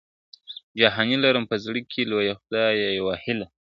جهاني لرم په زړه کي لویه خدایه یوه هیله ..